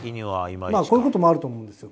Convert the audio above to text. こういうこともあると思うんです。